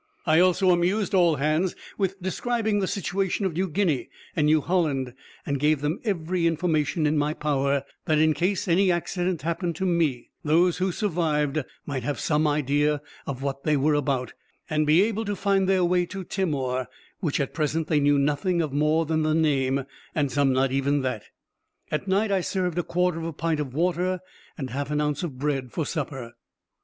I also amused all hands with describing the situation of New Guinea and New Holland, and gave them every information in my power, that, in case any accident happened to me, those who survived might have some idea of what they were about, and be able to find their way to Timor, which at present they knew nothing of more than the name, and some not even that. At night I served a quarter of a pint of water and half an ounce of bread for supper.